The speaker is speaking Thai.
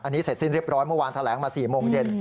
อันนี้เสร็จสิ้นเรียบร้อยเมื่อวานแถลงมา๔โมงเย็น